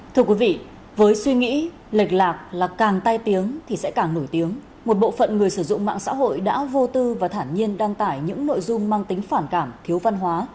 thưa quý vị với suy nghĩ lệch lạc là càng tai tiếng thì sẽ càng nổi tiếng một bộ phận người sử dụng mạng xã hội đã vô tư và thản nhiên đăng tải những nội dung mang tính phản cảm thiếu văn hóa